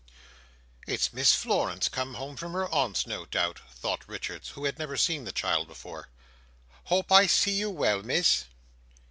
"It's Miss Florence come home from her aunt's, no doubt," thought Richards, who had never seen the child before. "Hope I see you well, Miss."